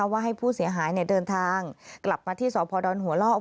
ว่าให้ผู้เสียหายเดินทางกลับมาที่สพดหัวลอก